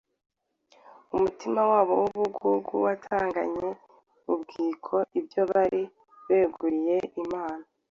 umutima wabo w’ubugugu watanganye ubwiko ibyo bari beguriye Imana.